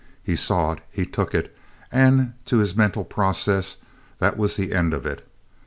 He saw it. He took it, and to his mental process, that was the end of it.